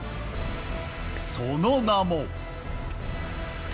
その名も。